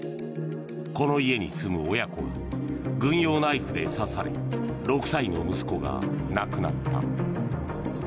この家に住む親子が軍用ナイフで刺され６歳の息子が亡くなった。